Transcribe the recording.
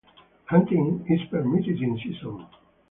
Hunting is permitted in season.